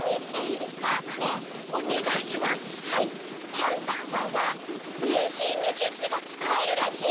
「パンタンさんはぶんしんのじゅつがつかえるらしい」。